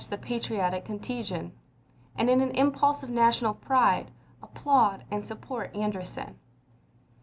the patriotic contagion, and, in an impulse of national pride, applaud and support Anderson.